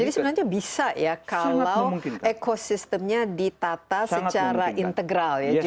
jadi sebenarnya bisa ya kalau ekosistemnya ditata secara integral ya